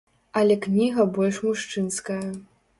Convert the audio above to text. Але кніга больш мужчынская.